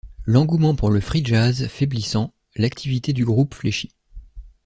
L'engouement pour le Free jazz faiblissant, l'activité du groupe fléchit.